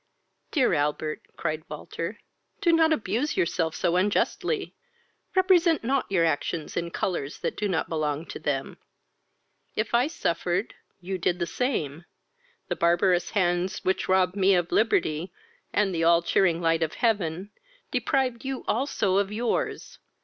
"Dear Albert, (cried Walter,) do not abuse yourself so unjustly: represent not your actions in colours that do not belong to them. If I suffered, you did the same; the barbarous hands which robbed me of liberty, and the all cheering light of heaven, deprived you also of your's.